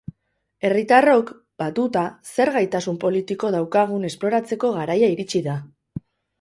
Herritarrok, batuta, zer gaitasun politiko daukagun esploratzeko garaia iritsi da.